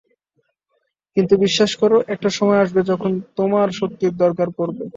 কিন্তু বিশ্বাস করো, একটা সময় আসবে যখন তোমার শক্তির দরকার পড়বে।